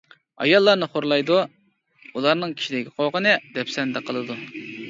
ئاياللارنى خورلايدۇ، ئۇلارنىڭ كىشىلىك ھوقۇقىنى دەپسەندە قىلىدۇ.